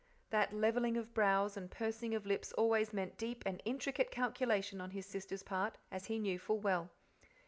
That levelling of brows, and pursing of lips, always meant deep and intricate calculation on his sister's part, as he knew full well.